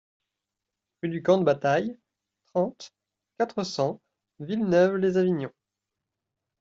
Rue du Camp de Bataille, trente, quatre cents Villeneuve-lès-Avignon